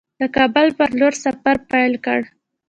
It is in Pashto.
د کابل پر لور سفر پیل کړ.